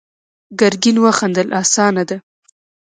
ګرګين وخندل: اسانه ده.